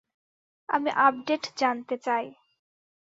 আমি আপডেট জানতে চাই।